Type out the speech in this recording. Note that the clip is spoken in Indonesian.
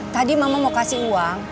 tadi mama mau kasih uang